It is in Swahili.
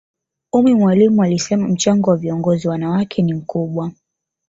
ummy mwalimu alisema mchango wa viongozi wanawake ni mkubwa